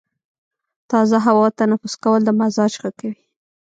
تازه هوا تنفس کول د مزاج ښه کوي.